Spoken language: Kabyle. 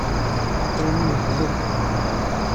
Sami yeḥbes.